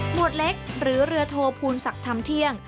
หมวดเล็กหรือเรือโทพูลสักทำเที่ยง